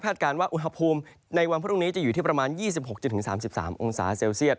การว่าอุณหภูมิในวันพรุ่งนี้จะอยู่ที่ประมาณ๒๖๓๓องศาเซลเซียต